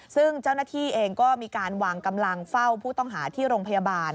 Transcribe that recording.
ซึ่งเจ้าหน้าที่เองก็มีการวางกำลังเฝ้าผู้ต้องหาที่โรงพยาบาล